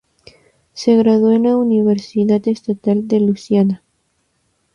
Se graduó en la Universidad Estatal de Luisiana.